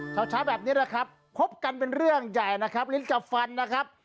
เช้าเช้าแบบนี้นะครับพบกันเป็นเรื่องใหญ่นะครับลิ้นกับฟันนะครับ